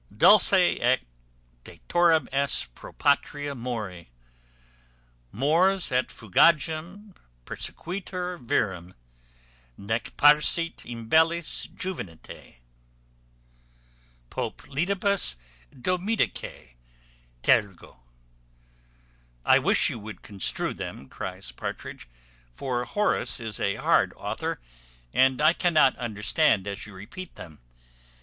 `_Dulce et decorum est pro patria mori Mors et fugacem persequitur virum Nec parcit imbellis juventae Poplitibus, timidoque tergo._'" "I wish you would construe them," cries Partridge; "for Horace is a hard author, and I cannot understand as you repeat them."